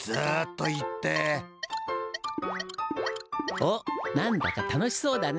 おっなんだか楽しそうだね